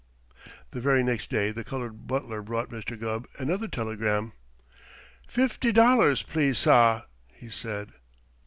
The very next day the colored butler brought Mr. Gubb another telegram. "Fifty dollars, please, sah," he said.